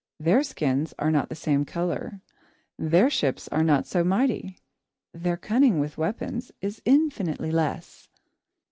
Their skins are not the same colour, their ships are not so mighty, their cunning with weapons is infinitely less.